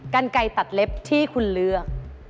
กันไก่ตัดเล็บที่คุณเลือก